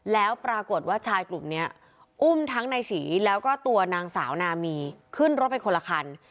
แล้วปรากฏว่าชายกลุ่มนี้อุ้มทั้งนายฉีแล้วก็ตัวนางสาวนามีขึ้นรถไปคนละคัน